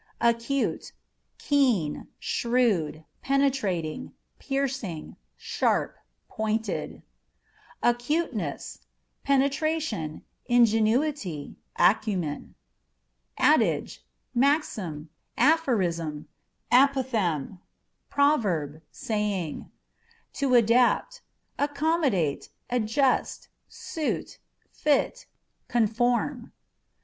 Acute â€" keen, shrewd, penetrating, piercing, sharp, pointed. Acuteness â€" penetration, ingenuity, acumen. Adage â€" maxim, aphorism, apophthegm, proverb, saying. To Adapt â€" accommodate, adjust, suit, fit, conform.